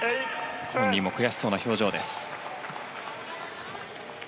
本人も悔しそうな表情です。